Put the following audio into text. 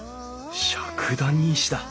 笏谷石だ。